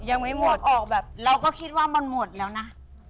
ยังไม่หมดออกแบบเราก็คิดว่ามันหมดแล้วนะ